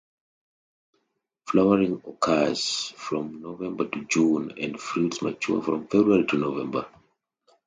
Flowering occurs from November to June and fruits mature from February to November.